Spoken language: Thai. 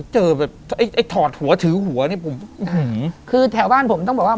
เจอแบบไอ้ไอ้ถอดหัวถือหัวนี่ผมคือแถวบ้านผมต้องบอกว่า